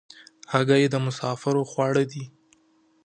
هګۍ د مسافرو خواړه دي.